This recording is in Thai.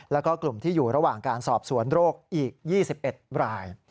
แล้วก็กลุ่มที่อยู่ระหว่างการสอบสวนโรคอีก๒๑ราย